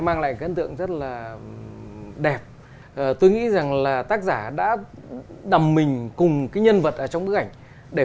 mang lại cái ấn tượng rất là đẹp tôi nghĩ rằng là tác giả đã đầm mình cùng cái nhân vật ở trong bức ảnh để